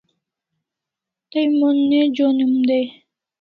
Tay mon ne jonim dai